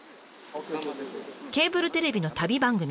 ケーブルテレビの旅番組。